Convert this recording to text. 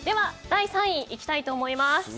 第３位にいきたいと思います。